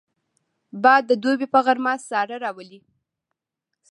باد د دوبي په غرمه ساړه راولي